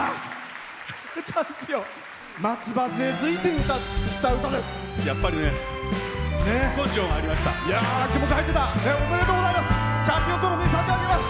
松葉づえついて歌った歌です。